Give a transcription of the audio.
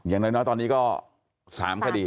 อย่างน้อยตอนนี้ก็๓คดี